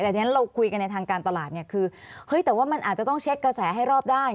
แต่ฉะนั้นเราคุยกันในทางการตลาดเนี่ยคือเฮ้ยแต่ว่ามันอาจจะต้องเช็คกระแสให้รอบด้าน